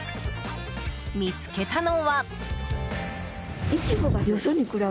見つけたのは。